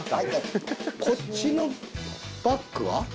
こっちのバッグは？